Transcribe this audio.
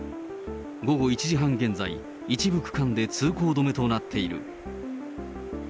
午後１時半現在、一部区間で通行止めとなっている。